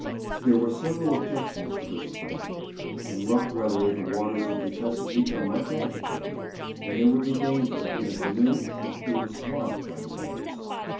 There were several objections to this plan. In rough weather the waters of the Chesapeake are much agitated, and there would be danger, in a canoe, of being swamped by the waves.